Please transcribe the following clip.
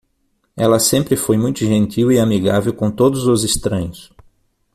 Ela sempre foi muito gentil e amigável com todos os estranhos.